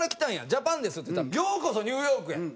「ジャパンです」って言ったら「ようこそニューヨークへ！」